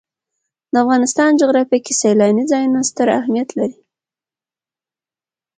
د افغانستان جغرافیه کې سیلاني ځایونه ستر اهمیت لري.